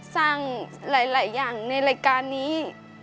สร้างหลายอย่างในรายการนี้